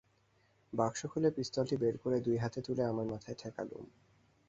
বাক্স খুলে পিস্তলটি বের করে দুই হাতে তুলে আমার মাথায় ঠেকালুম।